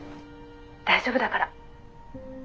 大丈夫だから。